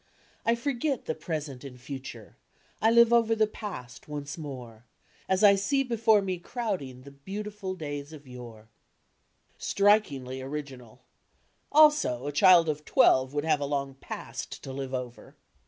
I forget the present and future, I live over the past once more. As I see before me crowding , The beautiful days of yore." b, Google Strikingly original! Also, a child of twelve would have a long "past" to live over!